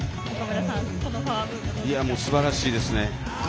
すばらしいですね。